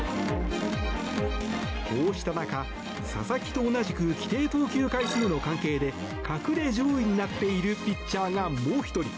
こうした中、佐々木と同じく規定投球回数の関係で隠れ上位になっているピッチャーがもう１人。